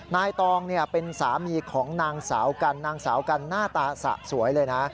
ตองเป็นสามีของนางสาวกันนางสาวกันหน้าตาสะสวยเลยนะ